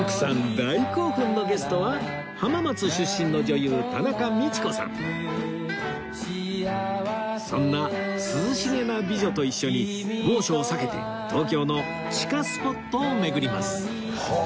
大興奮のゲストは浜松出身のそんな涼しげな美女と一緒に猛暑を避けて東京の地下スポットを巡りますはあ！